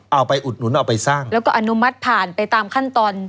อุดหนุนเอาไปสร้างแล้วก็อนุมัติผ่านไปตามขั้นตอน